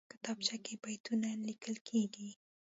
کتابچه کې بیتونه لیکل کېږي